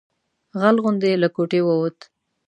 غل غوندې له کوټې ووت.